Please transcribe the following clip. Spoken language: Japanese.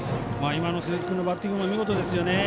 今の鈴木のバッティングも見事ですよね。